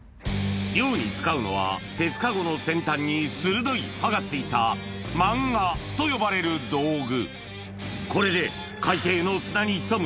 漁に使うのは鉄カゴの先端に鋭い歯が付いたと呼ばれる道具